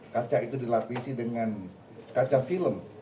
kaca itu dilapisi dengan kaca film